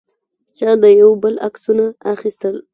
چا د یو بل عکسونه اخیستل.